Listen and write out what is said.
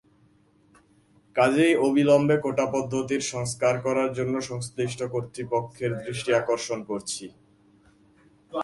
কাজেই অবিলম্বে কোটাপদ্ধতির সংস্কার করার জন্য সংশ্লিষ্ট কর্তৃপক্ষের দৃষ্টি আকর্ষণ করছি।